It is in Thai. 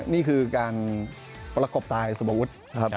นี่คือการประกบตายสุบวุฒิ